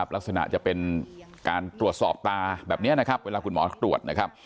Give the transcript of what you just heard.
ลักษณะจะเป็นการตรวจสอบตาแบบนี้เวลาคุณหมอตรวจ